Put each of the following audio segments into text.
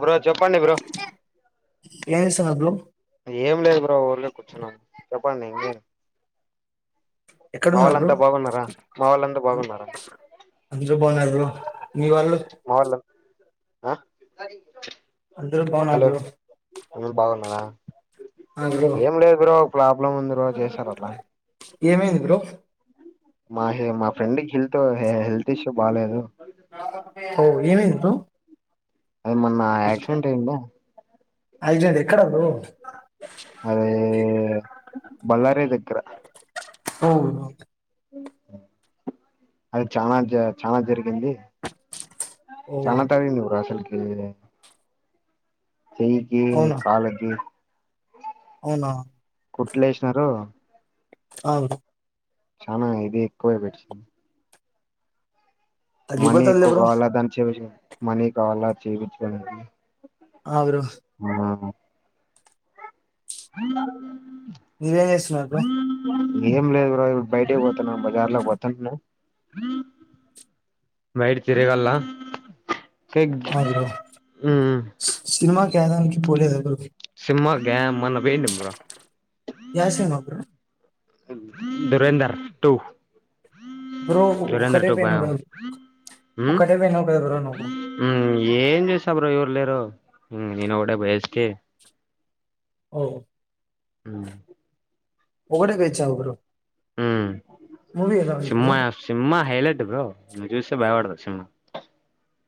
Bro చెప్పండి bro ఏం చేస్తున్నావ్ బ్రో ఏం లేదు బ్రో ఊర్లే కూర్చున్నాం చెప్పండి ఏ ఎక్కడ ఉన్నారు బ్రో బాగున్నారా మా వాళ్ళంతా బాగున్నారా అందరూ బాగున్నారు బ్రో మీవాళ్లు మా వాళ్ళ ఆ బాగున్నారు హలో బ్రో అందరు బాగున్నారా ఆ బ్రో ఏం లేదు బ్రో ప్రాబ్లం ఉంది బ్రో చేసారు అట్లా ఏమైంది బ్రో మా హ మా ఫ్రెండ్ కి హెల్త్ హెల్త్ ఇష్యూ బాలేదు ఓ ఏమైంది బ్రో అది మొన్న ఆయాక్సిడెంట్ అయిండా యాక్సిడెంట్ ఎక్కడ బ్రో అదే బళ్ళారీ దగ్గర సో వాక్ అది చానా చానా జరి ఏంది ఓ చానా తగిలింది రా అసలికి చేయికి, అవునా కాళ్ళకి అవునా కుట్లే వేసినారు అవును చానా ఇది ఎక్కువే పెట్టేసింది మనీ తగ్గిపోతదిలే ఎక్కువ బ్రో కావాలా దాన్ని చేపి మనీ కావాలా చేపించుకునేకి ఆ బ్రో ఆ [inaudible] ఏంచేస్తున్నారు బ్రో ఏం లేదు బ్రో ఇప్పుడు బయటకి పోతునా బజార్లో పోతుంటినా బయట తిరగలా అవును బ్రో సినిమా కెదానికి పోలేద బ్రో సినిమాకా మొన్న పోయింటి బ్రో యా cinema bro Dhurandhar two bro ఒక్కటే పోయినవ్ కదా హ్మ్ ఒక్కటే పోయినావు కదా బ్రో నువ్వు హ్మ్ ఏం చేస్తా బ్రో ఎవర్లే రు హ్మ్ నేనోక్కడే పోయేస్తీ ఓ హ్మ్ ఒక్కడే పోయాచావా బ్రో హ్మ్ మూవీ ఎలా ఉంది బ్రో సింమా సినిమా హైలెట్ బ్రో నువ్వు చూస్తే భయపడతావు సినిమా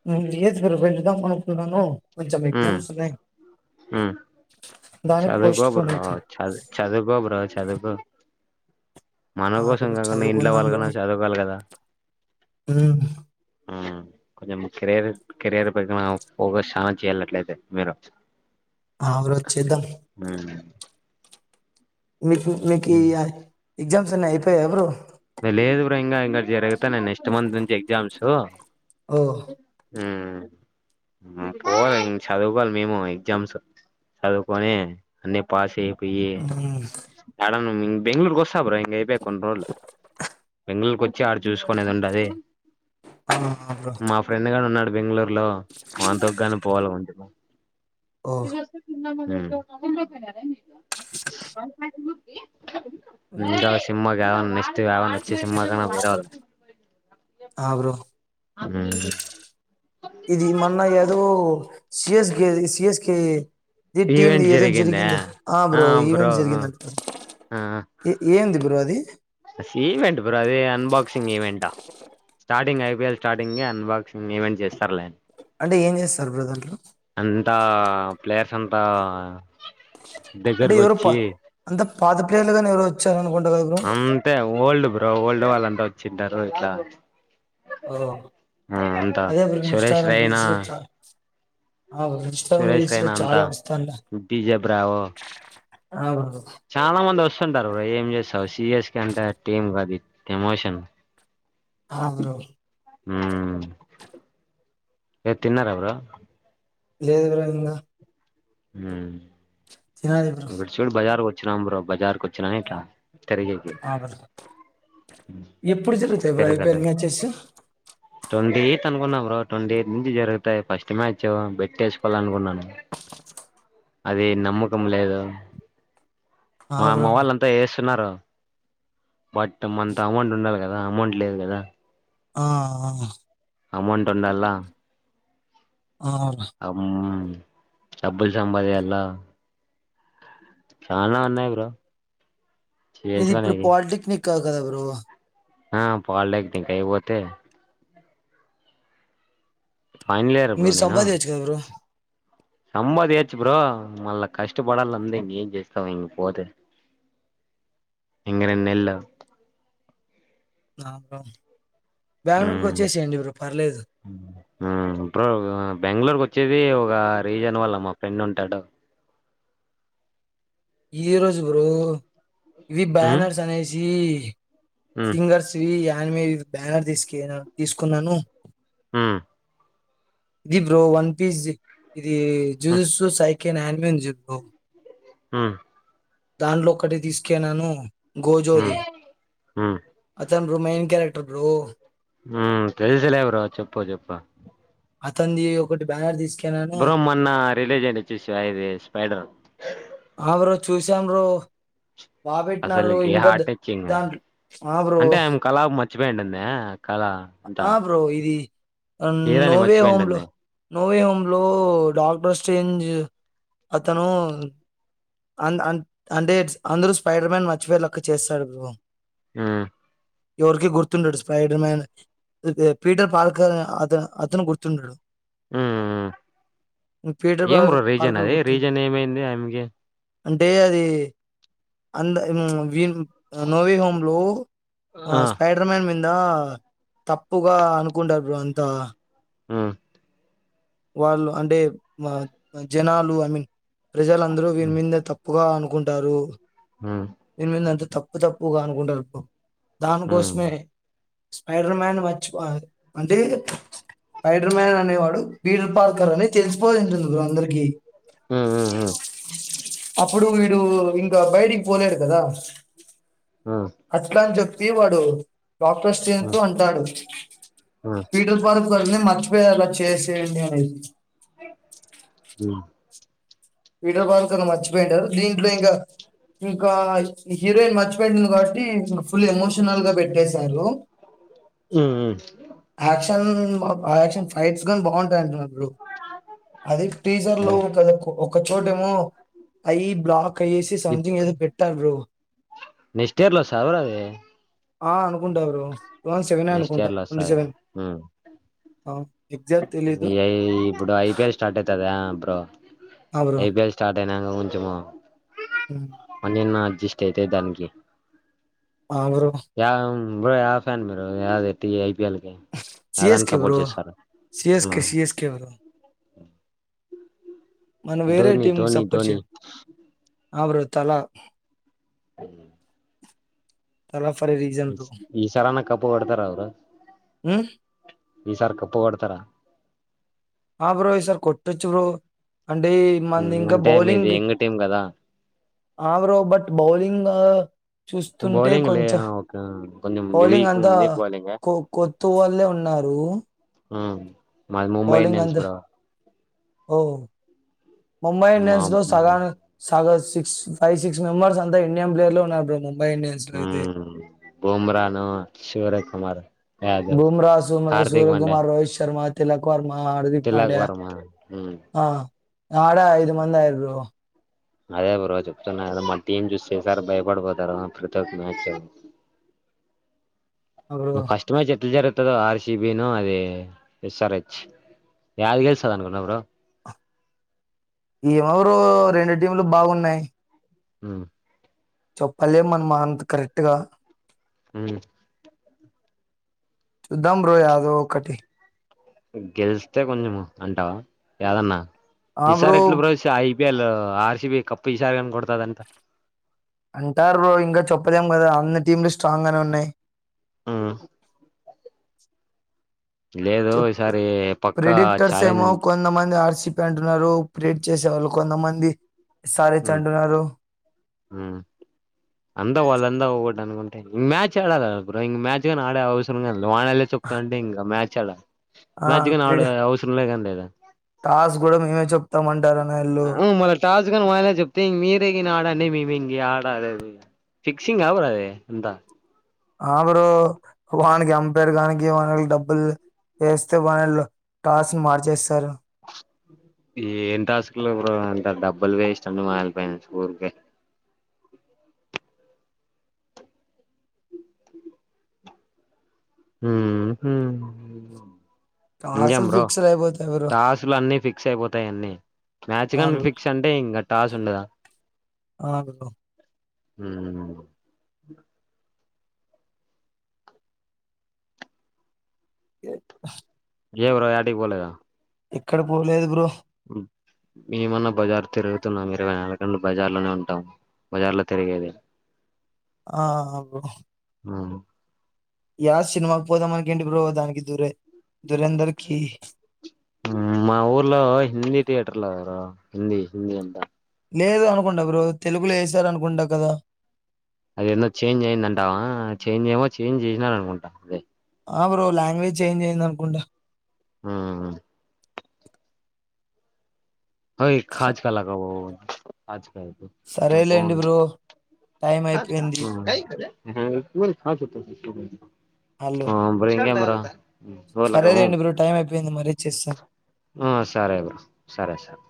హ్మ్ లేదు బ్రో వెళుదాం అనుకున్నాను, కొంచం మ్మ్ ఎగ్జామ్స్ ఉన్నాయ్ మ్మ్ చదువుకో బ్రో చదు చదువుకో బ్రో చదువుకో మన ఆ కోసం బ్రో కాకున్నా ఇంట్లో వాళ్ళకన్నా చదవుకోవాలి కదా హ్మ్ ఉమ్, కొంచెం కెరర్ కెరీయర్ పై ఫోకస్ చానా చేయ్యల అట్లయితే మీరు ఆ బ్రో చేద్దాం ఉమ్. మీకు మీకి ఆ ఎగ్జామ్స్ అన్ని అయిపోయా బ్రో లేదు బ్రో ఇంగా ఇంగా జరుగుతున్నయ్ నెక్స్ట్ మంత్ నుంచి ఎగ్జామ్స్ ఓ హ్మ్ పోవాల చదువుకోవాలి మేము ఎగ్జామ్స్ సదువ్కొని అన్ని పాస్ అయి పోయి ఉమ్, యాడన్న బెంగుళూరు కోస్తా బ్రో ఇంకా అయిపోయా కొన్ని రోజులు బెంగళూరుకి వచ్చి ఆడ చూసుకునేది ఉండది ఆ బ్రో మా ఫ్రెండ్ గాడు ఉన్నాడు బెంగుళూ లో వానితోగాని పోవాల [unintelligible] ఓ హ్మ్ ఇంకా సిమ్మ గావన్న నే తి యావన్నవచ్చే సినిమాల కన్నా పోయిరావల్ల ఆ బ్రో ఊహ్మ్ ఇది మొన్న యదో సిఎస్కే సిఎస్కే ఇది టీమ్‌ది ఈవెంట్ ఏదో జరిగిందా జరిగింది ఆ బ్రో ఈవెంట్ జరిగిందంట కదా ఆ ఏ ఏంది బ్రో అది ఈవెంట్ బ్రో అది అన్బాక్సింగ్ ఈవెంటా స్టార్టింగ్ ఐపీఎల్ స్టార్టింగ్ఎ అన్బాక్సింగ్ ఈవెంట్ చేస్తారులే అంటే ఏం చేస్తారు బ్రో దాంట్లో అంతా ప్లేయర్స్ అంతా అంటే దగ్గరకు ఎవరో పా వచ్చి అంత పాత ప్లేయర్లు గాని ఎవరో వచ్చారు అనుకుంటా కదా బ్రో అంతే ఓల్డ్ ఓల్డ్ వాళ్ళంతా వచ్చింటారు ఇట్లా ఓ ఆ అంత అదే bro Suresh Instagram Raina reels లో చా ఆ ఇంస్టా సురేష్ రీల్స్‌లో రైనా అంతా చాలా వస్తాంద డీజే బ్రావో చాలా మంది వస్తుంటారు బ్రో ఏం చేస్తావు సీఎస్కే అంటే టీమ్ కాదు ఇ కేమోషన్ ఆ బ్రో ఉమ్ ఎ తిన్నారా బ్రో లేదు బ్రో ఇంగా ఉమ్ తినాలి బ్రో ఇక్కడ చూడు బజార్కు వచ్చినాం బ్రో బజార్కు వచ్చినా ఇట్లా తిరిగేకి ఆ ఎప్పుడు జరుగుతాయి బ్రో జరగదు ఐపీఎల్ మ్యాచెస్ ట్వంటీ ఎయిత్ అనుకున్నా బ్రో ట్వంటీ ఎయిట్ నుంచి జరుగుతాయి ఫస్ట్ మ్యాచ్ బట్ట్టేసుకోవాలి అనుకున్నాను అది నమ్మకం లేదు ఆ మా బ్రో అమ్మ వాళ్ళ అంతా వేస్తున్నారు బట్ మంత అమౌంట్ ఉండాలి కదా అమౌంట్ లేదు కదా ఆ ఆ అమౌంట్ ఉండాల ఆ బ్రో అమ్ డబ్బుల్ సంపాదియాల ఎలా చాల ఉన్నాయి బ్రో నీది ఇది ఇప్పుడు చేసుకునేకి పాలిటెక్నిక్కాదు కదా బ్రో ఆ పాలిటెక్నికే అయిపోతే ఫైనల్ మీరు సంపాదించచ్చు కదా బ్రో సంపాదించో బ్రో మళ్ళా కష్టపడాల అంద ఇ ఏం చేస్తావా ఇం పోతే [unintelligible] ఇంఘనేనుయేల నా ప బెంగళూరుకి ఉమ్ వచ్చేసేయండి బ్రో పర్లేదు మ్మ్ బ్రో బెంగళూరుకి వచ్చేది ఒక రీజన్ వల్ల మా ఫ్రెండ్ ఉంటాడు ఈ రోజు బ్రో ఇవి మ్మ్ బ్యానర్స్ అనేసి మ్మ్ సింగర్స్వి యానిమేవి బ్యానర్ తీసుకే తీసుకున్నాను ఉ ఇది బ్రో వన్ పీస్ ఇది జ్యూస్ సై కైనన్మయన్ జెపి ఉ దాంట్లో ఒక్కటి తీసుకెన్నాను మ్మ్ గోజోది మ్మ్ నో మైయిన్ క్యారెక్టర్ బ్రో ఉ అతనిది ఒకటి బ్యానర్ తీసు బ్రమన్న రిలేజెం చ్చస్ ఇది స్పైడర్ ఎవరు చూసాం బ్రో బాబట్ను అసలుకి ఇగద్ హార్ట్ టచింగ్ జాన్ ఆరు అంటే ఆమె కళ మర్చిపోయింటుంది కళ అంతా ఆ బ్రో ఇది హీరోని అన్ మర్చిపోయింటుంది బ్రో స్టేంజ్ అతను [unintelligible] ఉ ఎవరికే గుర్తుండడు స్పైడర్ మన్ పీటర్ పాల్కర్ అత అతను గుర్తుంటాడు హు పీటర్ ఏం బ్రో రీజన్ పార్కర్ అది గుర్తుండడు రీజన్ ఏమైంది ఆమెకి అంటే అది అందీ చ విన్ నోవీ హోమ్ లో ఆ స్పైడర్ మ్యాన్ వి ఆ తప్పుగా అనుకుంటారు బ్రో అంత ఉ వాళ్ళు అంటే మా జనాలు ఐ మీన్ ప్రజలందరూ విని మ్మ్ మీదే తప్పు తప్పుగా అనుకుంటారు మ్మ్ దీని మీద అంతా తప్పు తప్పుగా అనుకుంటారు బ్రో మ్మ్ దానికోసమే స్పైడర్ మ్యాన్ వచ్చి అంటే స్పైడర్ మ్యాన్ అనేవాడు బీడ పాలకర్ అని తెలిసిపోంటుంది బ్రో అందరికి ఉ ఉ ఉ [inaudible] అట్లా అని చెప్తే వాడు డాక్టర్స్ తస్తూ అంటాడు మ్మ్ పీటర్ పార్క్ వంది మర్చిపోయ అలా చేసేయండి ఉ పిటర్ పార్క్ క మర్చిపోయిడారు దీంట్లో ఇంకా ఇంకా హీరోయిన్ మర్చిపో పెంది కాబట్టి ఫుల్ ఎమోషనల్ గా పెట్టేసి సారు మ్మ్ మ్మ్ ఆక్షన్ బ ఆ యాక్షన్ ఫైట్స్ ని బాగుంటాయింటున్నాడు అదే టీజర్ లో కదా కో చోటేమో అయి బ్లాక్ అయ్యేసి సంథింగ్ ఏదో పెట్టారు బ్రో నెస్ట్ ఇర్లో సార్వర్ అది ఆ అనుకుంటా బ్రో సెవెన్ అనుకుంటా ట్వంటీ సెవెన్ ఎగ్జాక్ట్ తెలీదు ఈ ఇప్పుడు ఐపీఎల్ స్టార్ట్ అవుతుందా ఆ బ్రో ఎబిఎల్ స్టార్ట్ అయినాక కొంచమున్న [unintelligible] అడ్జిస్ట్ అయితే దానికి ఆ బ్రో నువ్వే యా ఫ్యాన్ మీరు నాది టి నాదాన్ని సిఎస్కే సపోర్ట్ బ్రో చేస్తారు సిఎస్కే సిఎస్కే బ్రో మనం వేరే ధోని టీమ్ ధోని సపోర్ట్ చేయి ధోని ఆ బ్రో తలా తవా ఈసరానా కప్పు కొడతారవరు హ ఈసారి కప్పు కోడతారా ఆ బ్రో ఈసార్ కొట్టచ్చు బ్రో అంటే మంది ఇంకా అంటే మీది బౌలింగ్ యంగ్ టీం కదా ఆ బ్రో బట్ బౌలింగ్ చూస్తుంటే బౌలింగ్ లే కొంచెం కొంచెం బౌలింగ్ వీక్ అంతా ఉంది బౌలింగ్ కొ కొత్తు వాళ్ళలే ఉన్నారు ఆరు మ ముంబై ఇండియన్స్ బ్రో ముంబై మా ఇండియన్స్ లో సాదన్ సాదన్ శి ఫైవ్ సిక్స్ మెంబర్స్ంత ఇండియన్ ప్లేయర్ లో ఉన్నా హ బూమ్రాను శిరయ కుమార్ యాదవ్ బూమ్రా సూమ్రా హార్దిక్ పాండ్యా సూర్యకుమార్ రోహిత్ శర్మ తిలకువార్ అరదిక్ తిలక్ పాండ్యా వర్మ హ్మ్ ఆ ఆడా ఐదు మంది ఆయ అదే బ్రో చెప్తున్నా కదా మ టీం చూస్తేసారి భయపడిపోతారు ప్రతి ఒక్క మ్యాచ్ అప్పుడు ఫస్ట్ మ్యాచ్ ఎట్లా జర మ ఆర్సిబ అది ఎస్ఆర్ హెచ్ యాదు గేలుస అనుకున్నా బ్రో ఏమవరు రెండు టీంలు బాగున్నాయి హ చెప్పలేం మనమా అంత కరెక్ట్గా అ చ దం బ్రోయాద ఒక కటి గెలిస్తే కొంచం అంటావా ఏదన్నా ఆ ఈసారి బ్రో ఎట్లా ప్ర సఅయి బి అల్ ఆర్సిి బి కప్పు ఇసారిగాని కొడతదంత అంటారు ఇంకా చెప్పదాం కదా అన్ని టీంలు స్ట్రాంగ్ గానే ఉన్నాయి ఆ లేదు ఈసారి పక్కా ప్రిడిక్టర్స్ ఏమ ఛాలెంజ్ కొన దమాంది ఆర్సి అంటున్నారు ప్రేడ్ చేసేవాళ్ళు కొంతమంది సార్ేచ్చి అంటున్నారు ఆ అందావాల అందా ఊ అనుకుంటేచ్ మాచ్ ఆడాల అ నాడేవసర వానలే చొప్తాం అంటే ఇంకా మ్యాచ్ ఆడ ఆ మ్యాచ్ కాని ఆడ ప్రిడి అవసరం లేదండి అద టాస్ కూడా మేమే చెప్తామంటా మళ్ళ టాస్గాన్ మా చెప్తే మీరే ఈిన ఆడాడి మే ఇ ఆడ అదే అదే ఫిక్సింగ్ ఆవరా అదే ఎంతా ఆ బ్రో వానికి అంపైర్ కానికి వానకి డబ్బులు వేస్తే వాన టాస్ను మార్చేేశారు ఏంటిసుకలు ఇప్పుడు అంట డబ్బులు వేస్ట్ అండి మాయల్పోయి స్కఊరికే ఉమ్ కాసలు ఫిక్స్ రా టాసులు అన్ని ఫిక్స్ అయిపోతాయి అన్నీ మ్యాచ్ ఆ కనీ బ్రో ఫిక్స్ అంటే ఇంకా టాస్ ఉండదా అ హ ఏ ఏయవ్ర యాటి బోలేగా ఎక్కడ పోలేదు గు్రో మేమన్నా బజారు తిరుగుతున్నాం ఇరవై నాలు గంటలు బజార్ లోనే ఉంటాం బజార్లో తిరిగేది ఆ అబ ఆ యా సినిమాకి పోదామని ఏంటి బో దానికి దూరే దురేందర్ కి మా ఊర్లో హిందీ థియేటర్లుారు హిందీ హిందీ అంతా లేదు అనుకుంటా బ్రో తెలుగులో వసారు అనుకుంటా కదా అదేన్నో చేంజ్ అయ్యందంటావా చేంజ్ చేయమో చేంజ్ చేసినని అనుకుంటాం అదే ఆ బ్రో లాంగ్వేజ్ చేంజ్ అయ్యింద అనుకుంటా ఆ హ స- హాజకాలకాజ సరేలేండి బ్రో టైం అయిపోయింది మరిస్త హలో ఆ అబ్ర ఇంగ అంరా పోలగా సరేలేండి బ్రో టైం అయిపోయింది మరీ చేస్తాను సరే బ సరే సరే